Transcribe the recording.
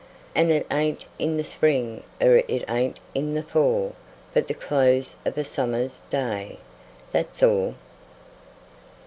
An' it ain't in the spring er it ain't in the fall, But the close of a summer's day, That's all.